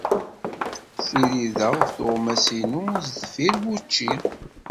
Ssirideɣ tuɣmas-inu sdeffir wucci.